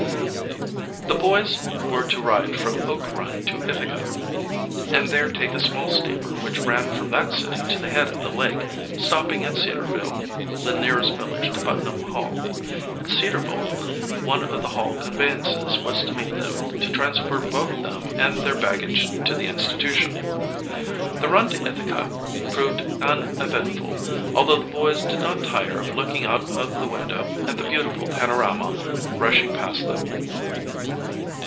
The boys were to ride from Oak Run to Ithaca, and there take a small steamer which ran from that city to the head of the lake, stopping at Cedarville, the nearest village to Putnam Hall. At Cedarville one of the Hall conveyances was to meet them, to transfer both them and their baggage to the institution. The run to Ithaca proved uneventful although the boys did not tire of looking out of the window at the beautiful panorama rushing past them.